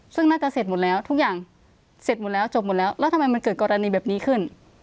ซึ่งน่าจะเสร็จหมดแล้วทุกอย่างเสร็จหมดแล้วจบหมดแล้วแล้วทำไมมันเกิดกรณีแบบนี้ขึ้น